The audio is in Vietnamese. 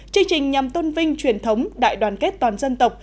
chương trình nhằm tôn vinh truyền thống đại đoàn kết toàn dân tộc